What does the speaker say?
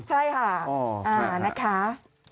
ใช่ค่ะนักค้า